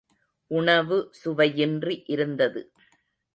உணவு சுவையின்றி இருந்தது.